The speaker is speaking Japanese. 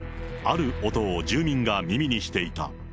その前後、ある音を住民が耳にしていた。